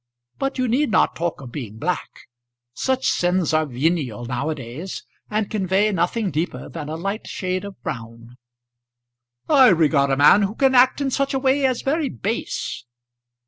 But you need not talk of being black. Such sins are venial now a days, and convey nothing deeper than a light shade of brown." "I regard a man who can act in such a way as very base."